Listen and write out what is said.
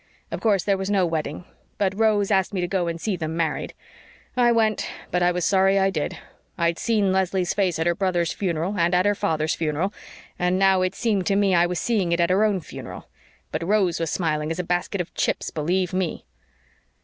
Of course, there was no wedding, but Rose asked me to go and see them married. I went, but I was sorry I did. I'd seen Leslie's face at her brother's funeral and at her father's funeral and now it seemed to me I was seeing it at her own funeral. But Rose was smiling as a basket of chips, believe ME!